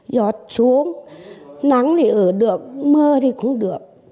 giót xuống nắng thì ở được mưa thì cũng được